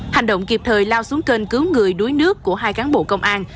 hành động kịp thời lao xuống kênh cứu người đuối nước của hai cán bộ công an